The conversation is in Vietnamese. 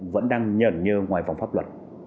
vẫn đang nhẩn nhơ ngoài vòng pháp luật